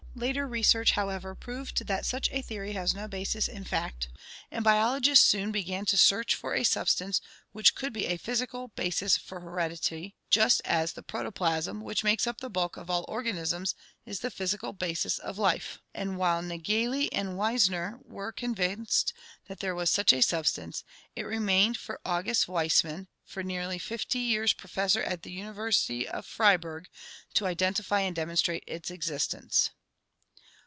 Later research, however, proved that such a theory has no basis in fact and biologists soon began to search for a substance which could be a physical basis for heredity just as the protoplasm which makes up the bulk of all organisms is the physical basis of life, and while Naegeli and Wiesner were convinced that there was such a substance, it remained for August Weismann, for nearly fifty years professor in the University of Freiburg, to identify and dem onstrate its existence.